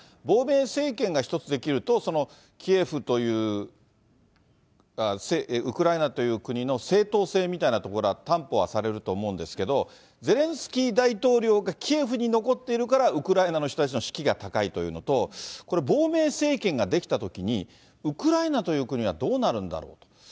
亡命政権が一つ出来ると、キエフという、ウクライナという国の正当性みたいなところは担保はされると思うんですけれども、ゼレンスキー大統領がキエフに残っているからウクライナの人たちの士気が高いというのと、これ、亡命政権が出来たときに、ウクライナという国はどうなるんだろうと。